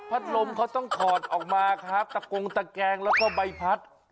ลมเขาต้องถอดออกมาครับตะโกงตะแกงแล้วก็ใบพัด